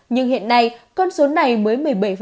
nhưng hiện nay con số này mới một mươi bảy